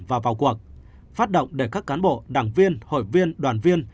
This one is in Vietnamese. và vào cuộc phát động để các cán bộ đảng viên hội viên đoàn viên